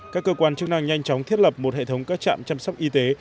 các cơ quan chức năng nhanh chóng thiết lập một hệ thống các trạm chăm sóc y tế